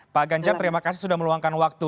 pak ganjar terima kasih sudah meluangkan waktu